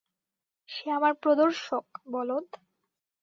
সে আমার প্রদর্শক, বলদ!